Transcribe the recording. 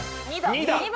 ２だ。